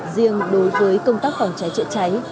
riêng đối với công tác phòng cháy trợ cháy